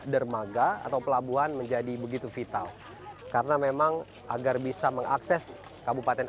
dermaga atau pelabuhan menjadi begitu vital karena memang agar bisa mengakses kabupaten